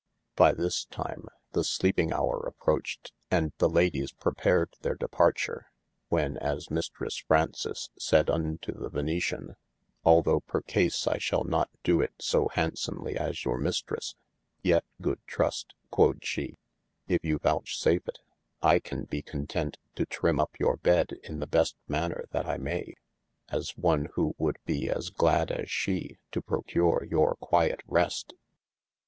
By this time the sleeping houre aproched, & the Ladyes prepared their departure, when as mistres Frauces sayd unto ye Venetiane : Although per case I shall not do it so hadsomly as your mistres, yet good Trust (quod she) if you vouchsafe it, I can be content to trim up your bed in the best maner that I may, as on who would be as glad as she to procure your quiet rest.